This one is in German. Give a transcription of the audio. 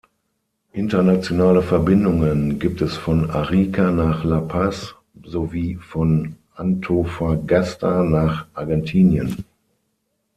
Internationale Verbindungen gibt es von Arica nach La Paz sowie von Antofagasta nach Argentinien.